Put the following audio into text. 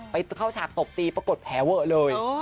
มีฉากตบตีปรากฏแผลเวอะเลย